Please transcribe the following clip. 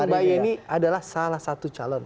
mbak yeni adalah salah satu calon